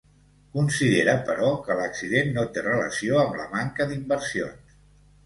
Considera, però, que l’accident no té relació amb la manca d’inversions.